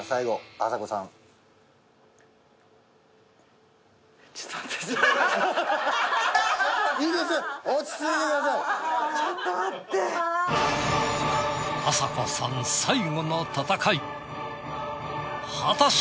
あさこさん最後の戦い果たして！